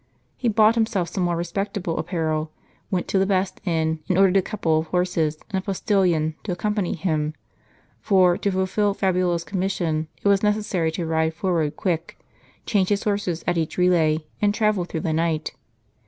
He bought himself some more respectable apparel, went to the best inn, and ordered a couple of horses, with a postillion to accompany him ; for, to fulfill Fabiola's commission it was necessary to ride forward quick, change his horses at each relay, and travel through the night.